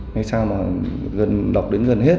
hay sao mà đọc đến gần hết